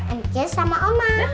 anjus sama oma